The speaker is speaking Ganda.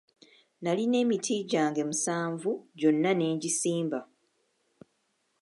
Nalina emiti gyange musanvu gyonna ne ngisimba.